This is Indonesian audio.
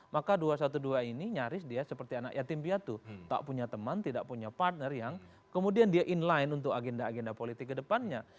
maka dua ratus dua belas ini nyaris dia seperti anak yatim piatu tak punya teman tidak punya partner yang kemudian dia inline untuk agenda agenda politik ke depannya